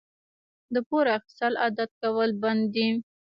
د پور اخیستل عادت کول بد دي.